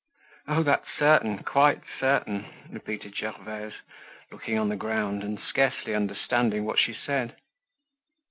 "Oh! that's certain, quite certain," repeated Gervaise, looking on the ground and scarcely understanding what she said.